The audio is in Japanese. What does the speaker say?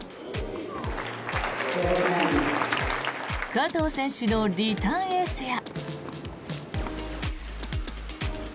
加藤選手のリターンエースや。